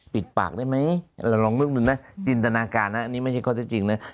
ปิดปากได้ไหมเราลองลองดูนะจินตนาการนะนี่ไม่ใช่ความที่จริงนะ